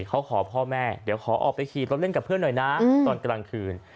เขาขอพ่อแม่เดี๋ยวขอออกไปขี่รถเล่นกับเพื่อนหน่อยนะตอนกลางคืน